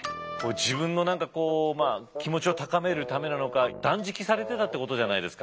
自分の何かこう気持ちを高めるためなのか断食されてたってことじゃないですか。